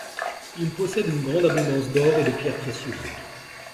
Ils possèdent une grande abondance d'or et de pierres précieuses.